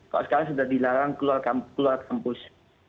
kalau sekarang sudah dilarang keluar kampus